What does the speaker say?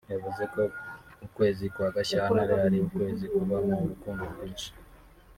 yavuze ko ukwezi kwa Gashyantare ari ukwezi kubamo urukundo rwinshi